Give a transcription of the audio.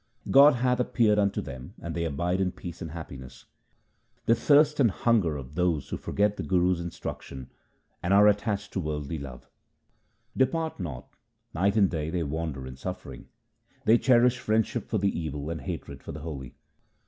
God hath appeared unto them, and they abide in peace and happiness. The thirst and hunger of those who forget the Guru's instruction and are attached to worldly love, HYMNS OF GURU AMAR DAS 225 Depart not ; night and day they wander in suffering : They cherish friendship for the evil and hatred for the holy.